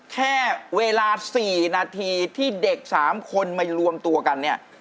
แค่เวลา๔นาทีที่เด็ก๓คนมารวมตัวกันเนี่ย